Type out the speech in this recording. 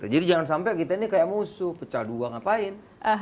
jadi jangan sampai kita ini kayak musuh pecah dua ngapain